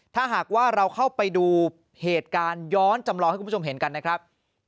ถ้าหากว่าเราเข้าไปดูเหตุการณ์ย้อนจำลองให้คุณผู้ชมเห็นกันนะครับ